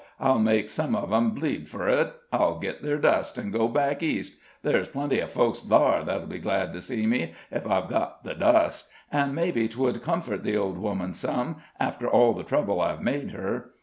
I'll make some of 'em bleed fur it. I'll git their dust, an' go back East; ther's plenty of folks thar that'll be glad to see me, ef I've got the dust. An' mebbe 'twould comfort the old woman some, after all the trouble I've made her.